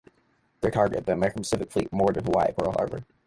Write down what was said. Their target, the American Pacific Fleet moored in Hawaii at Pearl Harbor.